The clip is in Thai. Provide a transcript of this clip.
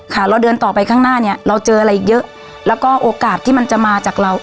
เราเดินต่อไปข้างหน้าเนี้ยเราเจออะไรเยอะแล้วก็โอกาสที่มันจะมาจากเรา